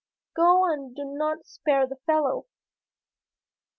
"Go and do not spare the fellow."